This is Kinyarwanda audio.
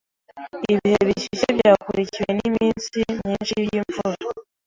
Ibihe bishyushye byakurikiwe niminsi myinshi yimvura.